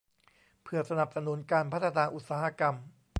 เพื่อสนับสนุนการพัฒนาอุตสาหกรรม